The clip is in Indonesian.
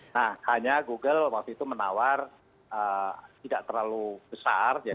nah hanya google waktu itu menawar tidak terlalu besar ya